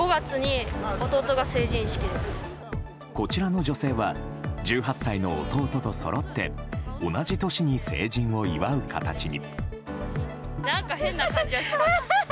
こちらの女性は１８歳の弟とそろって同じ年に成人を祝う形に。